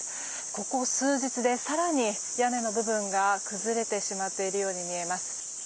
ここ数日で更に屋根の部分が崩れてしまっているように見えます。